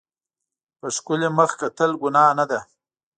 په ښکلي مخ کتل ګناه نه ده.